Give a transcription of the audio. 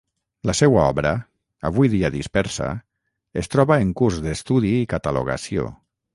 La seua obra, avui dia dispersa, es troba en curs d'estudi i catalogació.